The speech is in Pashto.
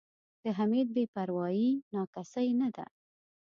د حمید بې پروایي نا کسۍ نه ده.